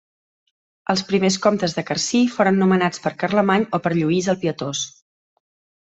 Els primers comtes de Carcí foren nomenats per Carlemany o per Lluís el Pietós.